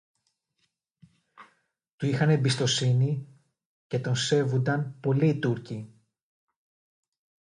Του είχαν εμπιστοσύνη, και τον σέβουνταν πολύ οι Τούρκοι